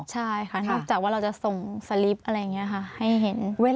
ใช่ค่ะนอกจากว่าเราจะส่งสลิปอะไรอย่างนี้ค่ะให้เห็น